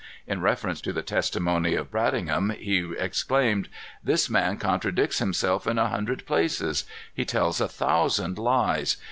In reference to the testimony of Bradingham, he exclaimed: "This man contradicts himself in a hundred places. He tells a thousand lies.